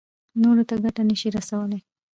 نورو ته ګټه نه شي رسولی.